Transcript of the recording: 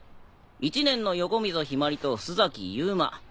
１年の横溝ひまりと須崎ユウマ。